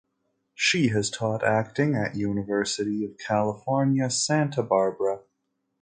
She has taught acting at University of California, Santa Barbara.